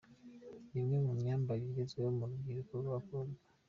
Ni imwe mu myambarire igezweho mu rubyiruko rw’abakobwa.